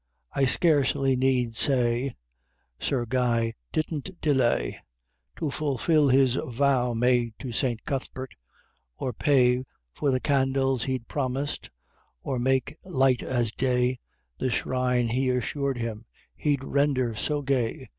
I scarcely need say Sir Guy didn't delay To fulfill his vow made to St. Cuthbert, or pay For the candles he'd promised, or make light as day The shrine he assured him he'd render so gay.